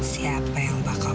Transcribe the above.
siapa yang bakal